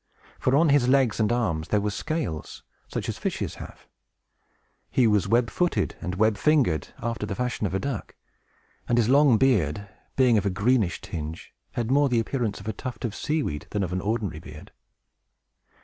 For, on his legs and arms there were scales, such as fishes have; he was web footed and web fingered, after the fashion of a duck; and his long beard, being of a greenish tinge, had more the appearance of a tuft of sea weed than of an ordinary beard.